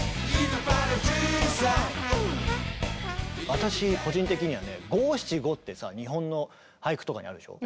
私個人的にはね五・七・五ってさ日本の俳句とかにあるでしょ。